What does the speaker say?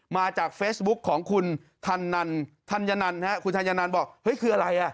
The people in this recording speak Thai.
มาจากเฟซบุ๊กของคุณทันยะนันคุณทันยะนันบอกคืออะไรอ่ะ